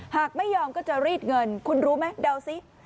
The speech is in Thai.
หากไม่ยอมก็จะรีดเงินคุณรู้ไหมเดาซิ